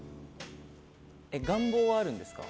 願望はあるんですか？